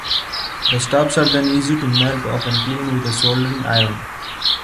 The stubs are then easy to melt off and clean with a soldering iron.